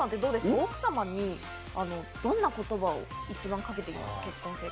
奥様にどんな言葉を一番かけてますか？